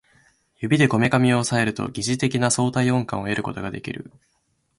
指でこめかみを抑えると疑似的な相対音感を得ることができる